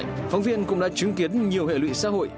vì vậy phóng viên cũng đã chứng kiến nhiều hệ lụy xã hội